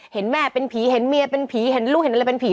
เห็นแม่เป็นผีเห็นเมียเป็นผีเห็นลูกเห็นอะไรเป็นผี